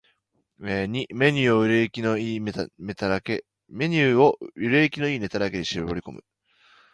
ⅱ メニューを売れ行きの良いネタだけに絞り込む